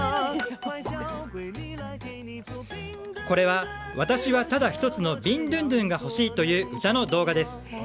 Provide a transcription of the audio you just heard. これは、私はただ１つのビンドゥンドゥンが欲しいという歌の動画です。